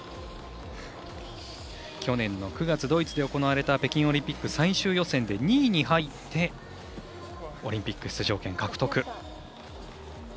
去年の９月、ドイツで行われた北京オリンピック最終予選で２位に入ってオリンピック出場権獲得。